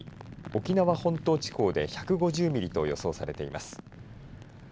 沖縄本島地方で１５０ミリと予想されています。